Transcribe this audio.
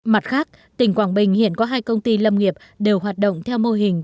mặt khác tỉnh quảng bình hiện có hai công ty lâm nghiệp đều hoạt động theo mô hình